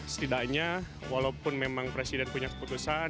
setidaknya walaupun memang presiden punya keputusan